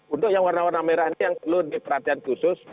untuk yang warna warna merah ini yang perlu diperhatikan khusus